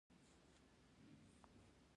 یوه سرتېري خپل قوماندان ته غږ وکړ.